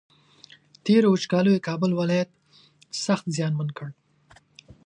تېرو وچکالیو کابل ولایت سخت زیانمن کړ